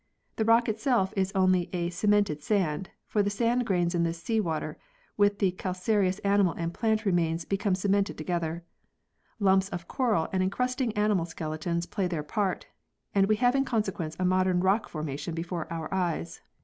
The rock itself is only a "cemented sand," for the sand grains in this sea water with the calcareous animal and plant remains become cemented together. Lumps of coral and encrusting animal skeletons play their part, and we have in consequence a modern rock formation before our eyes.